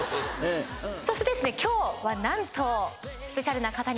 そしてですね今日は何と。